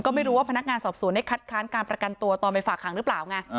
ก็ไม่รู้ว่าพนักงานสอบสวนได้คัดค้านการประกันตัวตอนไปฝากหางหรือเปล่าไง